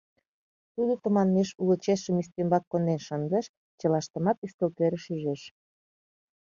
Тудо тыманмеш уло чесшым ӱстембак конден шындыш, чылаштымат ӱстелтӧрыш ӱжеш.